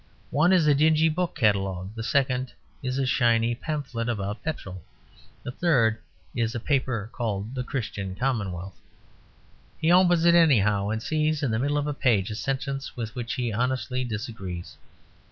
One is a dingy book catalogue; the second is a shiny pamphlet about petrol; the third is a paper called The Christian Commonwealth. He opens it anyhow, and sees in the middle of a page a sentence with which he honestly disagrees.